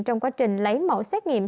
trong quá trình lấy mẫu xét nghiệm